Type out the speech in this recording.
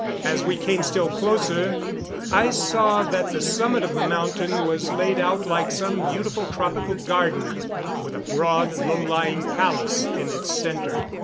As we came still closer I saw that the summit of the mountain was laid out like some beautiful tropical garden, with a broad, low lying palace in its center.